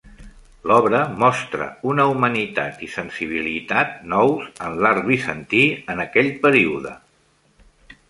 L'obra mostra una humanitat i sensibilitat nous en l'art bizantí en aquell període.